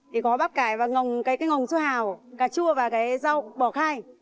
thì có bắp cải và cái ngồng su hào cà chua và cái rau bò khai